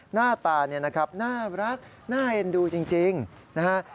หน้าตาเนี่ยนะครับน่ารักน่าเอ็นดูจริงนะฮะ